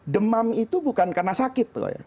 demam itu bukan karena sakit